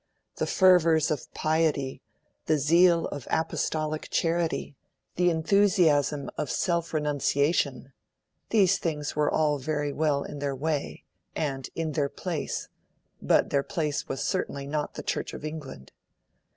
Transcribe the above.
The fervours of piety, the zeal of Apostolic charity, the enthusiasm of self renunciation these things were all very well in their way and in their place; but their place was certainly not the Church of England.